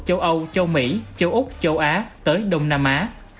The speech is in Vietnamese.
châu mỹ châu úc châu á tới đông nam á